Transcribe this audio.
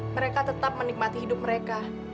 mereka tetap menikmati hidup mereka